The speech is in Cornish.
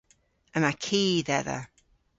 Yma ki dhedha.